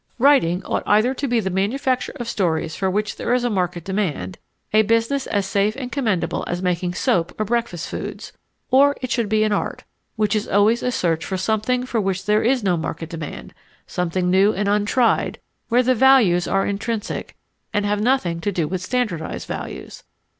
Writing ought either to be the manufacture of stories for which there is a market demand a business as safe and commendable as making soap or breakfast foods or it should be an art, which is always a search for something for which there is no market demand, something new and untried, where the values are intrinsic and have nothing to do with standardized values.